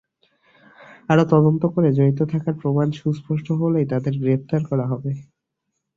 আরও তদন্ত করে জড়িত থাকার প্রমাণ সুস্পষ্ট হলেই তাঁদের গ্রেপ্তার করা হবে।